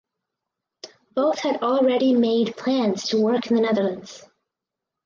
Both had already made plans to work in the Netherlands.